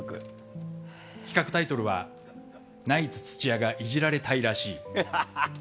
企画タイトルはナイツ、土屋がイジられたいらしい。